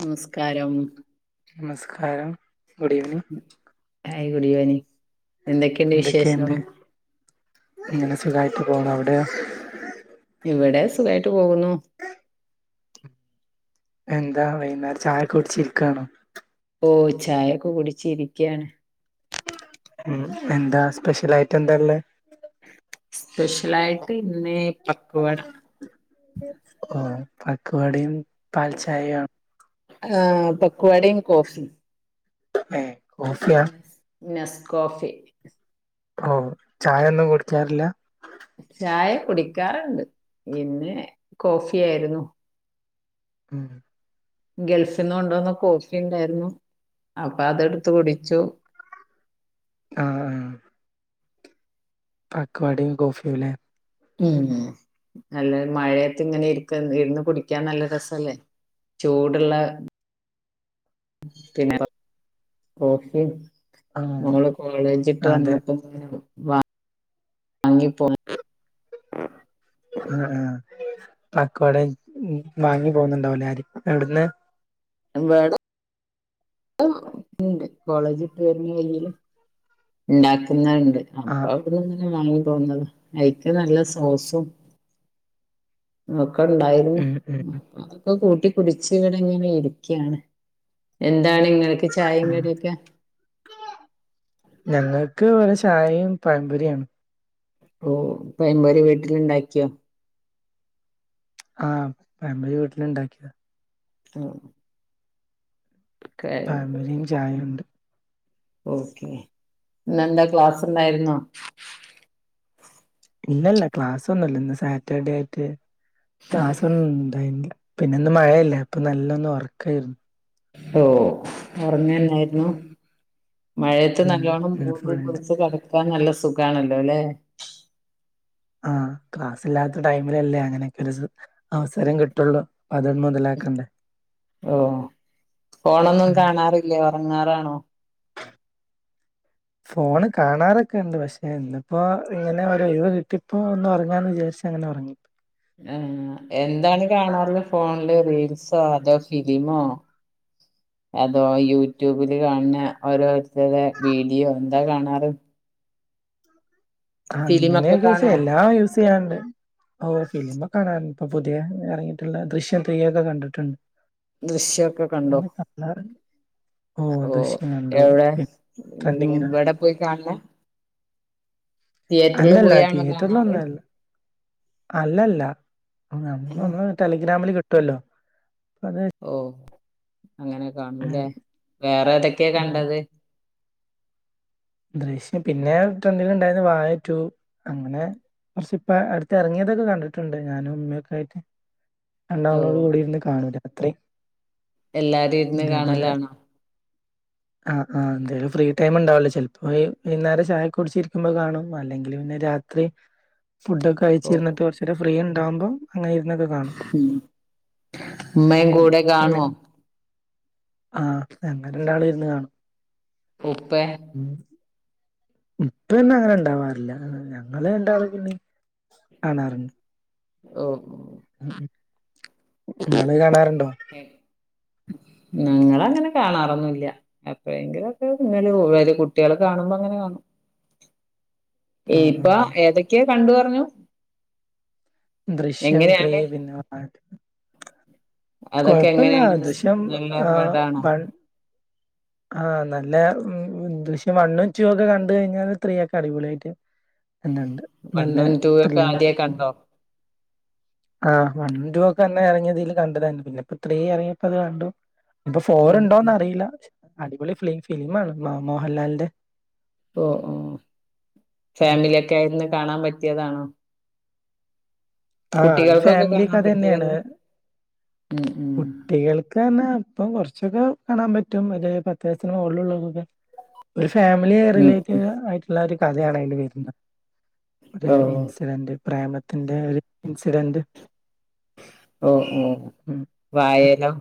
നമസ്കാരം. നമസ്കാരം, good evening. Hi good evening. എന്തൊക്കെയൊണ്ട്. ഇങ്ങനെ സുഖായിട്ട് പോണ്. അവെടെയോ? ഇവെടെ സുഖയായിട്ട് പോകുന്നു. എന്താ വൈകുന്നേരം ചായെക്കെ കുടിച്ചിരിക്കണോ? ഓ ചായെക്കെ കുടിച്ചിരിക്കാണ് ഉ എന്താ സ്പെഷ്യാലായിറ്റ് എന്തായൊള്ളേ? സ്പെഷ്യലായിട്ട് ഇന്ന് പക്വട ഓ പക്വടയും പാൽച്ചായയാ ആഹ് പക്വടയും കോഫിം ഏ കോഫിയാ നെസ് നെസ് കോഫി ഓ ചായൊന്നും കുടിക്കാറില്ല. ചായ കുടിക്കാറാണ്ട് ഇന്ന് കോഫി ആരുന്നു. ഉം ഗൾഫിന്ന് കൊണ്ട് വന്ന കോഫി ഉണ്ടാരുന്നു. അപ്പൊ അതെടുത്ത് കുടിച്ചു. ആഹ് ആഹ് പക്വാടയും കോഫിയുല്ലേ ഉം ഉം നല്ല മഴയത്ത് ഇങ്ങനെ ഇരുക്ക് ഇരുന്ന് കുടിക്കാൻ നല്ല രസല്ലേ. ചൂടുള്ള പിന്നെ കോഫിം ആ മോള് കോളേജിട്ട് ആ, അതെ വന്നെപ്പം. വാ വാങ്ങിപ്പോന്ന് ആഹ് ആഹ് പക്കടയും വാങ്ങി പോന്നുണ്ടാവലാരും. എവിടുന്ന്? എന്താട്? വും ഉണ്ട് കോളേജിൽ പോരുന്ന വഴില് ഉണ്ടാക്കുന്നുണ്ട്. ആ അപ്പം അതെങ്ങെനെ നമ്മെള് തോന്നന്നത്. അയിക്ക് നല്ല സോസും. ഇതൊക്കെ ഉണ്ടാരുന്നു. ഉം ഉം അതൊക്കെ കൂട്ടി പിടിച്ചു കൊണ്ടിങ്ങനെ ഇരിക്കയാണ്. എന്താണ് നിങ്ങളെക്ക് ചായയും കടിയൊക്കെ? ഞങ്ങെക്ക് ഇവെടെ ചായയും പഴമ്പൊരിയാണ്. ഓ പൊയപ്പൊരി വീട്ടില് ഉണ്ടാക്കിയോ? ആഹ് പഴപ്പൊരി വീട്ടിലൊണ്ടാക്കിയതാ. ആഹ് പഴപ്പൊരിയും ചായയൊണ്ട്. ഓക്കെ. ഇന്നെന്താ ക്ലാസ് ഉണ്ടായിരുന്നോ? ഇല്ല ഇല്ല ക്ലാസ് ഒന്നുല്ല ഇന്ന് സാറ്റർഡേയായ്ട്ട് ക്ലാസ് ഒന്നും ഉണ്ടായിന്നില്ല. പിന്നെ ഇന്നു മഴയല്ലേ അപ്പ നല്ലൊന്ന് ഉറക്കാരുന്നു. ഓ ഉറങ്ങെന്നാരുന്നു. മഴയത്ത് ഉം നല്ലോണ്ണം ഇന്ന് ഫുൾ മൂടി പൊതെച്ച് കെടക്കാൻ നല്ല സുഖാണല്ലോ അല്ലേ. ആഹ് ക്ലാസില്ലാത്ത ടൈമിലല്ലേ അങ്ങനെയൊക്കെരിത്. അവസരം കിട്ടുള്ളൂ അത് മുതലാക്കണ്ടേ. ഓ ഫോണൊന്നും ഉം കാണാറില്ലേ ഉറങ്ങാറാണോ? ഫോണ് കാണാറൊക്കെണ്ട് പക്ഷേ ഇന്നിപ്പോൾ ഇങ്ങനെ ഒരൊഴിവ് കിട്ടിപ്പോൾ ഒന്ന് ഒറങ്ങാന്ന് വിചാരിച്ചങ്ങനെ ഒറങ്ങി. ആഹ് എന്താണ് കാണാറുള്ളത് ഫോണില് റീൽസോ അതോ ഫിലിമോ? അതോ യൂട്യൂബില് കാണണേ ഓരോരുത്തര്ടെ വീഡിയോ എന്താ കാണാറ്? അങ്ങനെ ഫിലിമൊക്കെ ചോയ്ച്ചാ കാണോ എല്ലാം യൂസ് ചെയ്യാണ്ട്. ഓ ഫിലിമെക്കെ കാണാറൊണ്ട് ഇപ്പൊ പുതിയതായി എറങ്ങിട്ടുള്ള ദൃശ്യം ത്രീയൊക്കെ കണ്ടിട്ടൊണ്ട്. ദൃശ്യൊക്കെ കണ്ടോ? എന്നാ പറഞ്ഞ്? ഓ എവടെ ഉം ട്രെൻഡിങ്ങില് ഇവെടെ പോയി കാൺണോ? അല്ല അല്ല. പോയാണോ കാണാറ് തീയേറ്ററിലൊന്നല്ല. അല്ല അല്ല അത് ഓ നമ്മള് ടെലിഗ്രാമില് കിട്ടുവല്ലോ. അത് ഓ അങ്ങനെ ഉം കാണൂല്ലേ വേറെ ഏതൊക്കെയാ ഉം കണ്ടത്? ദൃശ്യം പിന്നെ ട്രെഡിങ് ഉണ്ടായിന്ന വാഴാ റ്റു അങ്ങനെ കൊറച്ചിപ്പ അടുത്ത് ഇറങ്ങിയതൊക്കെ കണ്ടിട്ടൊണ്ട് ഞാനും ഉമ്മയൊക്കെയായിട്ട്. ഓ എല്ലാളോളോം കൂടിയിരുന്ന് കാണും രാത്രി. എല്ലാരും ഇരുന്ന് ഇതേപ്പോലെ. കാണലാണോ ആഹ് ആഹ് എന്തേലും ഫ്രീ ടൈം ഒണ്ടാവെല്ലോ ചെലു പോയി വൈന്നാരം ചായെക്കെ കുടിച്ചിരിക്കുമ്പോ കാണും. അല്ലെങ്കില് പിന്നെ രാത്രി ഫുഡെക്ക്. ഓ കഴിച്ചിരുന്നിട്ട് കൊറെച്ചൂടി ഫ്രീണ്ടാവുമ്പോ, അങ്ങനെയിരുന്നൊക്കെ കാണും. ഉം ഉമ്മായും കൂടെ കാണുവോ? ഉം ആഹ്, ഞങ്ങരാണ്ടാള് ഇരുന്നു കാണും. ഇപ്പേ ഉം ഇപ്പേന്നും അങ്ങനെ ഒണ്ടാവാറില്ല. ഞങ്ങെള് ഒണ്ടാതെ പിന്നെ കാണാറൊണ്ട്. ഓഹോ ഉം ഉം ഇങ്ങെള് കാണാറൊണ്ടോ? ഏഹ്, ഞങ്ങളങ്ങനെ കാണാറൊന്നുല്ല്യാ. എപ്പോഴെങ്കിലൊക്കെ ഇന്നലെ വെരും കുട്ടികളെ കാണുമ്പോ അങ്ങനെ കാണും. ആ ഈപ്പ ആ ഏതൊക്കെയാ കണ്ടു പറഞ്ഞു? ദൃശ്യം ത്രി എങ്ങനെയാണ് പിന്നെ വാഴ. അതൊക്കെ കൊഴപ്പില്ലാ. എങ്ങനെയാണ് ദൃശ്യം നല്ല എഹ് പടാണോ വൺ ആഹ് നല്ല ദൃശ്യം വണും ടൂ വെക്കെ കണ്ടു കഴിഞ്ഞാല് ത്രീയൊക്കെ അടിപൊളിയായിറ്റ്. എന്നുണ്ട്. നല്ലേ വണ്ണും ടൂ ഒക്കെ ആദ്യേ ത്രിലിങ്ങായ് പ്പോ. കണ്ടോ ആഹ് വണും ടു ഒക്കെ അന്ന് ഇറങ്ങിയതില് കണ്ടില്ലാരുന്നു. പിന്നെ ഇപ്പ ത്രീ ഇറങ്ങിയപ്പോ അത് കണ്ടു. ഇപ്പൊ ഓ ഫോറുണ്ടോന്ന് അറിയില്ല. അടിപൊളി ഫിലിം, ഫിലിം ആണ് മോ മോഹൽലാലിന്റെ. ഓഹ് ഓഹ്. ഫാമിലിയൊക്കെയായിരുന്നു കാണാൻ പറ്റിയതാണോ? ആഹ്, അത് കുട്ടികൾക്കൊക്കെ കാണാൻ ഫാമിലിക്കഥ തന്നെയാണ്. പറ്റിയതന്നെ ഉം ഉം കുട്ടികൾ. ക്ക തന്നെ ഇപ്പം കൊറച്ചൊക്കെ കാണാൻ പറ്റും. ഒരു പത്ത് വയസിന് മോളിലൊള്ളവർക്കൊക്കെ. ഒരു ഫാമിലി ഉം റിലേറ്റ് ഉം ചെയ്ത ആയിട്ടൊള്ളൊരു കഥയാണ് അതില് വെരുന്നേ. ഒരു ഓ ഇൻസിഡെന്റ്. പ്രേമത്തിന്റെ ഒരു ഇൻസിഡെന്റ്. ഓഹ് ഓഹ്. വായേലം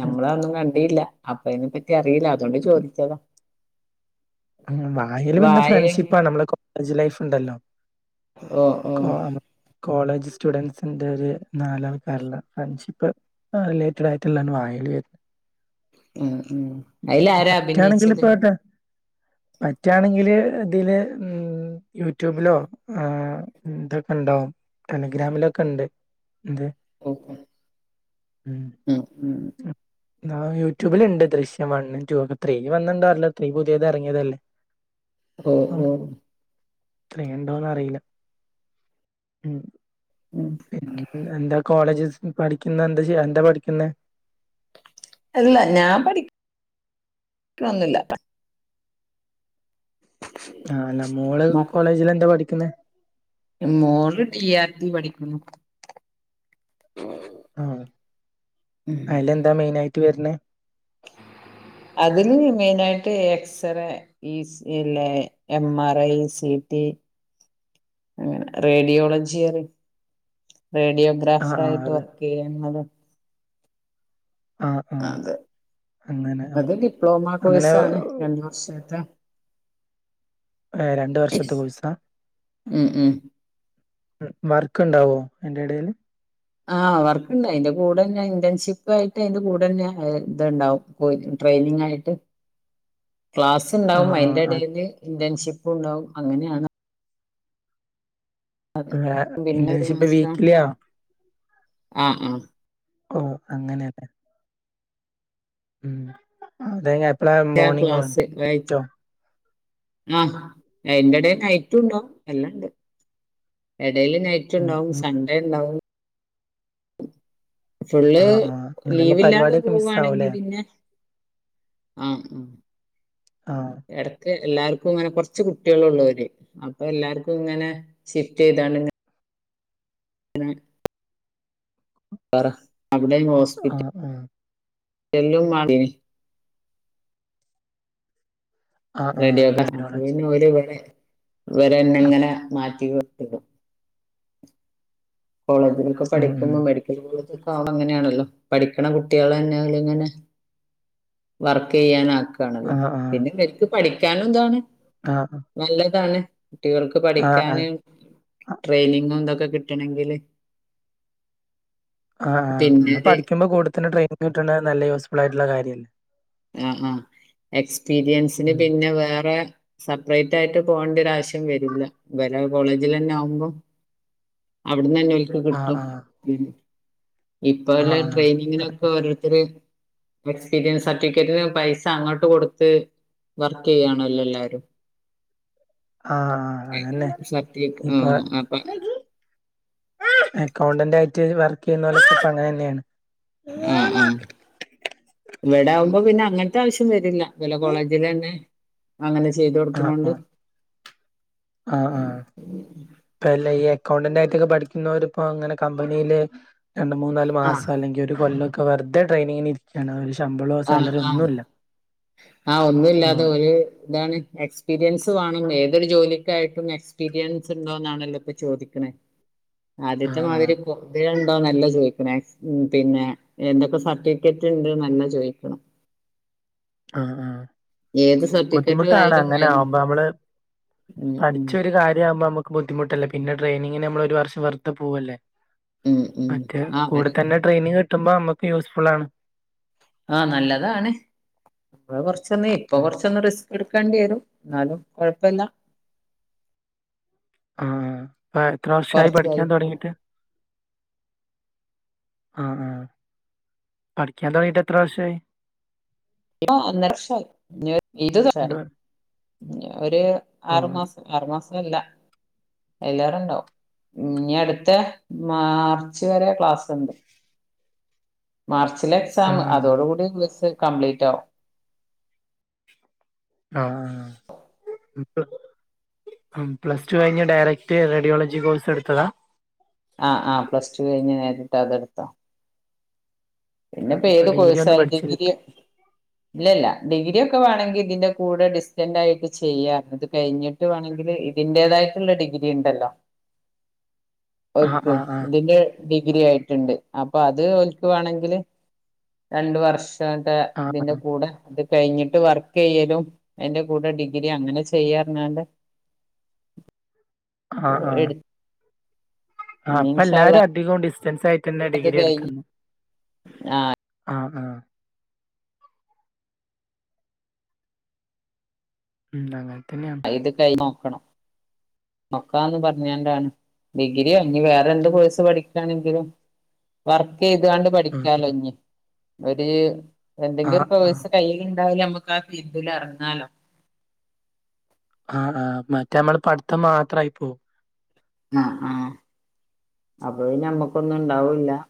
നമ്മളൊന്നും കണ്ടില്ലാ. അപ്പോ ഇതിനെ പറ്റി അറിയില്ല. അതുകൊണ്ട് ചോദിച്ചതാ. വാഴയില് പിന്നെ വായ ഫ്രണ്ട്ഷിപ്പാണ്. നമ്മെളെ കോളേജ് ലൈഫുണ്ടെല്ലോ. ഓ ഓ കാണ് കോളേജ് സ്റ്റുഡെന്റസിന്റെയൊരു നാലാൾ ക്കാര്ള്ള ഫ്രണ്ട്ഷിപ്പ്. ആഹ് റിലേറ്റഡ് ആയിട്ടൊള്ളാൻ വാഴേല് വർന്നെ ഉം ഉം അയിൽ ആരാ അഭിനയിച്ചത് പറ്റാണെങ്കില് ഇതില് ഉം യൂട്യൂബിലോ ഇതൊക്കെ ഉണ്ടാവും ടെലിഗ്രാമിലൊക്കെ ഉണ്ട് എന്ത് ഓ ഉം ഉം ആഹ് യൂട്യൂബിലുണ്ട് ദൃശ്യം മിണ് ഒക്കെ ത്രീ വന്നിണ്ടാറല്ലോ ത്രീ പുതിയത് ഇറങ്ങിയതല്ലേ ഓഹ് ഓഹ് ത്രീ ണ്ടോന്ന അറിയില്ല ഉം ഉം എന്താ കോളേജ് പഠിക്കുന്ന എന്താ എന്താ പഠിക്കുന്ന അല്ല ഞാൻ പഠഠിക്കണൊന്നില്ല ആഹല്ല മോള് മ കോളേജിൽ എന്താ പഠിക്കുന്ന മോള് ടി ആർ ടി പഠിക്കുന്നു ആഹ് അയിൽ എന്താ മെയിനായിട്ട് വരണ അയ്ല് മെയിന ആയിട്ട് എക്സ്റേ ഈ സി എ ല്ലെ M R I C T അങ്ങനെ റേഡിയോളജിയറി ആഹ് ആഹ് റേഡിയോഗ്രാഫറായിട്ട് അതെ വർക്ക് ചെയ്യുന്നത് ആഹ് ആഹ് അതെ അങ്ങനെ അത് ഡിപ്ലോമ അങ്ങനെ കോഴ്സാണ് രണ്ട് വർഷട്ട ഏഹ് രണ്ട വർഷത്ത കോയ്സാ ഉം ഉം വർക്ക് ഉണ്ടാവോ ഐന്റെ ഇടൽ ആഹ് അവർക്കുണ്ട് അതിന്റെ കൂടെ തന്നെ ഇന്റേൺഷിപ്പ് ആയിട്ട് അതിന്റെ കൂടെന്നെ ഇത്ണ്ടാവും ട്രെനി ആയിട്ട് ക്ലാസ്സ്‌ ഉണ്ടാവും ആഹ് ആഹ് അത് അതിന്റെടയിൽ ഇന്റേൺഷിപ്പ് ഉണ്ടാകും അങ്ങനെയാണ് അതെ പിന്ന ഒരു ഇന്റേൺഷിപ്പ് മാസം വീക്കിലിയാ ആഹ ആ ഓ അങ്ങനെയല്ലെ ഉ അതെ എപ്പള ആ മോർണിംഗ് ക്ലാസ് ആഴ്ച ട്ടോ ആഹ് എന്റെട നൈറ്റ ഉണ്ടോ എല്ലണ്ട് ഇടൽ നൈറ്റ് ഉം ഉണ്ടാവും ഉം. സൺഡേ ഉണ്ടാവും ഫുള്ള് ആഹ് ആഹ് അങ്ങനാവുമ്പോ ലീവില്ലാതെ പരിപാടിയൊക്കെ പോവുവായാണെങ്കി മിസ്സാവൂലേ? പിന്നെ ആഹ് ആ ആഹ് എടക് എല്ലർക്കും ഇങ്ങനെ കുറച്ച് കുട്ടികളുള്ളവര് അപ്പൊ എല്ലാവർക്കും ഇങ്ങനെ ഷിഫ്റ്റ് ചെയ്ത ത് പറ അവടെ ഹോസ് ആ ആഹ എല്ലും മന്നി നി ആഹ് ആഹ് റെഡിയക്കെഓര് റേഡിയോളജി പിന്നെ ഒള്ളു ഇടിവെ ഇവരെെ ഇങ്ങനെ മാറ്റിവിടും കോളേജിലൊക്കെ ഉം ഉം പഠിക്കുമ്പോ മെഡിക്കൽ കോളേജ ഒക്കെ ആവുമ്പോൾ അങ്ങനെയണല്ലോ പഠിക്കണ കുട്ടികളെ തന്നെ ഒള്ളു ഇങ്ങനെ വർക്ക് ചെയ്യാൻ ആക്കണല്ലോ ആഹ് പിന്നെ ഇവർക്കു പഠിക്കാനും ഇതാണ് എന്താണ് ആഹ നല്ലതാണ് കുട്ടികൾക്ക് ആഹ് പഠിക്കാനും ആഹ് ട്രെയിനിങ്ങും ഇതൊക്കെ കിട്ടാനാഗിൽ ആഹെ പിന്നൊരു പഠിക്കുമ്പോ കൂടുത്തില ടെയിനി കിട്ട നല്ല യൂസ്ഫുൾ ആയിട്ടുള്ള കാര്യല്ലേ ആ ആ എക്സ്പീരിയൻസിന് ഉം പിന്നെ വേറെ സെപ്പറേറ്റ് ആയിട്ട് പോകേണ്ടര ആാവശ്യം വരൂല്ല വറെ കോളേജിൽ തന്നെ ആവുമ്പോ അവിടന്ന്ന്നെ ഒക്ക് ആഹ് കിട്ടും ആഹ് പി ആഹ് ഇപ്പല്ല ട്രെയിനിങ്ങിനൊക്കെ ഓരോരുത്തർ എക്സ്പീരിയൻസ് സർട്ടിഫിക്കറ്റിന് പൈസ അങ്ങോട്ട് കൊടുത്ത് വർക്ക് ചെയ്യണല്ലോ എല്ലാരും ആഹ് ആഹ് അതന്നെ ഏഹ് സയക് ഇപ്പൊ ആഹ അപ്പൊ അക്കൗണ്ടന്റ് ആയിട്ട് വർക്ക് ചെയ്യുന്ന പോലെ ഇപ്പ അങ്ങനെ തന്നെയാണ് ആഹ ആ ഇവിടെ ആകുമ്പോ പിന്നെ അങ്ങനത്തെ ആവശ്യം വരില്ല ഇവലെ കോളേജിൽ തന്നെ അങ്ങനെ ചെയ്തു കൊടുക്കണോണ്ട് ആഹ ആ ഇപ്പല്ല ഈ അക്കൗണ്ടന്റ ആയിട്ടൊക്കെ പഠിക്കുന്നവര് ഇപ്പോ അങ്ങനെ കമ്പനിയില് രണ്ട മൂന്നാല് ആഹ് മാസം അല്ലെങ്കി ഒരു കൊല്ലൊക്കെ വെറതെ ട്രെനിങ്ങിന് ഇ ഒരു ശമ്പളോ ആഹ് സാലറി ആഹ് ഒന്നുമല്ല ആഹ് ഒന്നുമല്ലാതെ ഒരു ഇതാണ് എ്പ എക്സ്പീരിയൻസ് വേണം ഏതൊരു ജോലിക്കായിട്ടും എക്സ്പീരിയൻസ് ഉണ്ടോ എന്നാണ്ണല്ലോ ഇപ്പ ചോദിക്കണേ ആദ്യത്തെ ആഹ് മാതിരി പൊതിുണ്ടോന്നല്ലോ ചോദിക്കുന്ന ഉ പിന്നെ എന്തൊക്കെ സർട്ടിഫിക്കറ്റ് ഉണ്ട് നന്നെ ചോദിക്കാന ആഹ ആഹ ഏത് ബുദ്ധിമുട്ടാണ് സർട്ടിഫിക്കറ്റിലായാലും അങ്ങനെ മതി ആകുമ്പോ നമ്മള് ഉം ഉം പഠിച്ച ഒരു കാര്യ ആവുമ്പോ നമുക്ക് ബുദ്ധിമുട്ടല്ലേ പിന്നെ ട്രെയിനിങ് നമ്മൾ ഒരു വർഷം വെറു പോവല്ലേ ഉം ഉം മറ്റേ ആഹ് കൂടെ വരും തന്നെ ടെയിനിങ് കിട്ട്പോ നമക്ക് യൂസ്ഫു ആണ് ആഹ നല്ലതാണ് നമ്മള് കൊറച്ചൊന്ന് ഇപ്പൊ ഉം കൊറച്ചൊന്ന് റിസ്ക് എടുക്കേണ്ടി വരും എന്നാലും കൊഴപ്പല്ല ആഹ അപ്പ എത്ര വർഷയി കൊറച്ച് പഠിക്കാൻ വിചാരിക്ക തൊടഗിറ്റ് ആ ആ പഠിക്കാൻ തൊടഗിറ്റ് എത്ര വർഷമായി ഇപ്പ അന്നർക്ഷ ഇത് രണ്ട് വർ ഇനി ഒരു ഓ ആറു മാസം ആരുമാസം ഇല്ല എല്ലാവരും ഉണ്ടാവും ഇനി അടുത്ത മാർച്ച് വരെ ക്ലാസ്സുണ്ട് മാർച്ചിലെ എക്സാം ആഹ് അതോടുകൂടി യസ്സ് കംപ്ലീറ്റ് ആവും ആഹ് [unintelligible] ഉം പ്ലസ് ടു കഴിഞ്ഞ് ഡയറക്റ്റ് റേഡിയോളജി കോഴ്സ് എടുത്തതാ ആഹ് ആഹ് പ്ലസ് ടു കഴിഞ്ഞ് നേരിട്ട് അതെടുത്താ ആ, പിന്നെപ്പം അപ്പൊ ഏത് ഡിഗ്രി ഒന്നും കോഴ്സായാലും പഠിച്ചില്ല ഡിഗ്രി ഇല്ലല്ല ഡിഗ്രി ഒക്കെ വേണങ്കിൽ ഇതിന്റെ കൂടെ ഡിസ്റ്റൻറ് ആയിട്ട് ചെയ്യാർഞ് ഇത് കഴിഞ്ഞി ട്ട് വാണെങ്കില് ഇതിന്റേതായിട്ടുള്ള ഡിഗ്രി ഇണ്ടല്ലോ ആഹ് ഓൽക്ക് ആഹ് ആഹ് ഇതിന്റെ ഡിഗ്രി ആയിട്ടുണ്ട് അപ്പൊ അത് ഓൽക്കുവാണെങ്കില് രണ്ട്‌ വർഷത്തെ ആഹ് ഇതിന്റെ ആഹ് കൂടെ അത് കഴിഞ്ഞിട്ട് വർക്ക് ചെയ്യലും അയ്ന്റെ കൂടെ ഡിഗ്രി അങ്ങനെ ചെയ്യാർഞ്ഞാണ്ട് ആഹ് ആഹ് എടു ആഹ് ഇൻഷാ അള്ളാ ഇപ്പെല്ലാരും അധികവും ഡിസ്റ്റൻസ് ആയിട്ടുള്ള ഡിഗ്രിയാ എടുക്കുന്നെ ആഹ് ആഹ് ആഹ് ഉം അങ്ങനെ തന്നെയാണ് ഇത് കഴ് നോക്കണം നോക്കാന്ന് പറഞ്ഞാണ്ടാണ് ഡിഗ്രിയോ ഇനി വേറെന്ത് കോഴ്സ് പഠിക്കാണെങ്കിലും വർക്ക് ചെയ്താണ്ട് ആഹ് പഠിക്കാലോ ഇഞ്ഞി ഒര് എന്തെങ്കിലും ആഹ് ഒരു ആഹ് കോഴ്സ് കയ്യിലിണ്ടാവോലോ ഞമ്മ ക്കാ ഫീൽഡില് എറങ്ങാലോ ആഹ് ആഹ് മറ്റേ നമ്മള് പഠിത്തം മാത്രായി പോവും ആഹ് ആഹ് അപ്പൊ പിന്നെ നമ്മക്കൊന്നും ഉണ്ടാവൂല്ല